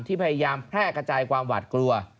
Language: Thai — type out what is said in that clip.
พยายามแพร่กระจายความหวาดกลัว